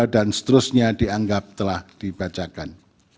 dan seterusnya dianggap telah dibacakan